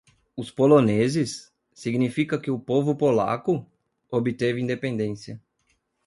Os poloneses? significam que o povo polaco? obteve independência.